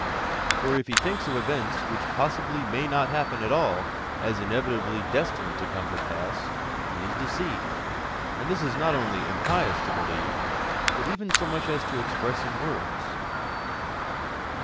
For if He thinks of events which possibly may not happen at all as inevitably destined to come to pass, He is deceived; and this it is not only impious to believe, but even so much as to express in words.